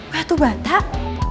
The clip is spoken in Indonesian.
wah itu batak